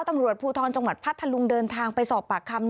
ตำรวจภูทรจังหวัดพัทธลุงเดินทางไปสอบปากคำ